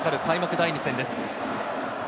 第２戦です。